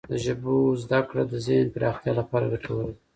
د ژبو زده کړه د ذهن پراختیا لپاره ګټوره ده.